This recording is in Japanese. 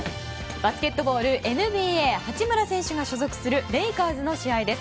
バスケットボールＮＢＡ八村選手が所属するレイカーズの試合です。